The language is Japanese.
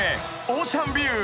［オーシャンビュー。